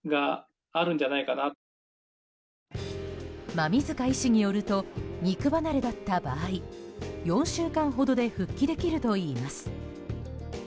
馬見塚医師によると肉離れだった場合４週間ほどで復帰できるといいます。